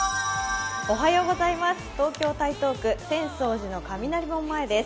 東京・台東区浅草寺の雷門前です。